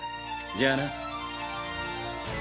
じゃあな。